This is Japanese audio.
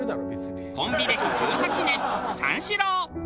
コンビ歴１８年三四郎。